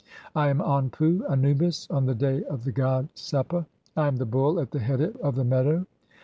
I am (7) Anpu (Anubis) on the day of the god "Sepa. I am the Bull at the head of the meadow.